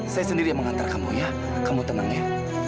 saya sendiri yang mengantar kamu ya kamu tenang ya